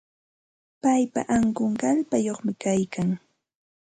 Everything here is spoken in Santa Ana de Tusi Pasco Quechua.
Paypa ankun kallpayuqmi kaykan.